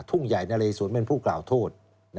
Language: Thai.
ทุ่งใหญ่นะเลสวนเป็นผู้กล่าวโทษ